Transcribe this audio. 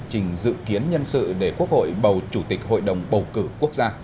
trình dự kiến nhân sự để quốc hội bầu chủ tịch hội đồng bầu cử quốc gia